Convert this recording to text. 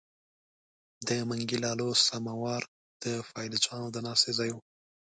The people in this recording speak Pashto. د منګي لالو سماوار د پایلوچانو د ناستې ځای وو.